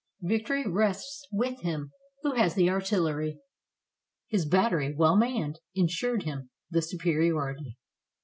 Victory rests with him who has the artillery. His battery, well manned, insured him the superiority.